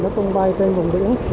nó tung bay trên vùng biển